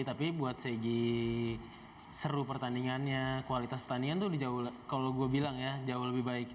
tapi buat segi seru pertandingannya kualitas pertandingan tuh jauh lebih baik